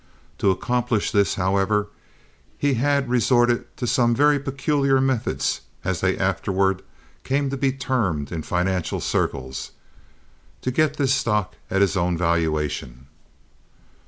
To accomplish this, however, he had resorted to some very "peculiar" methods, as they afterward came to be termed in financial circles, to get this stock at his own valuation.